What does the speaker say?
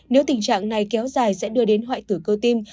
nếu tình trạng này kéo dài sẽ đưa đến hoại tử cơ tim